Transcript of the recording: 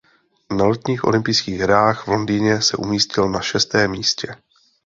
Na letních olympijských hrách v Londýně se umístil na šestém místě.